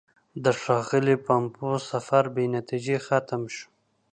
د ښاغلي پومپیو سفر بې نتیجې ختم شو.